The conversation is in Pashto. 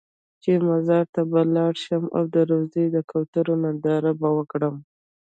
چې مزار ته به لاړ شم او د روضې د کوترو ننداره به وکړم.